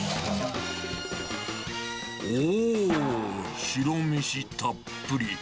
おぉっ、白飯たっぷり。